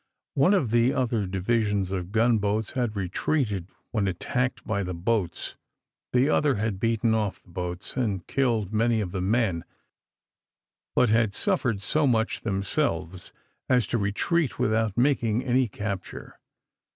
One of the other divisions of gun boats had retreated when attacked by the boats. The other had beaten off the boats, and killed many of the men, but had suffered so much themselves, as to retreat without making any capture.